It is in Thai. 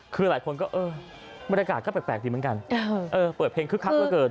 คือหลายคนก็เออบรรยากาศก็แปลกดีเหมือนกันเปิดเพลงคึกคักเหลือเกิน